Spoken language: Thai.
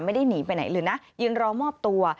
ไม่ได้หนีไปไหนเลยนะยืนรอมอบตัว